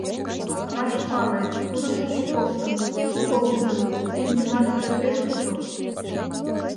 Раш пале, тудо шуко коштын, шуко ужын, шинчымашыже пеш куту.